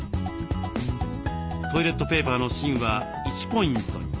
トイレットペーパーの芯は１ポイントに。